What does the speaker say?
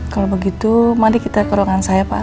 kalau begitu mari kita ke ruangan saya pak